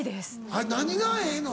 あれ何がええの？